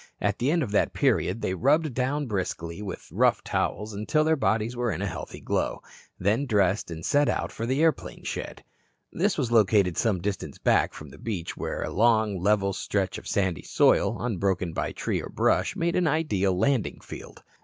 At the end of that period they rubbed down briskly with rough towels until their bodies were in a healthy glow, then dressed and set out for the airplane shed. This was located some distance back from the beach where a long, level stretch of sandy soil, unbroken by tree or bush, made an ideal landing field.